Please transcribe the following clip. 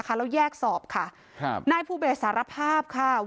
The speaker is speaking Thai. แล้วแยกสอบค่ะครับนายภูเบสสารภาพค่ะ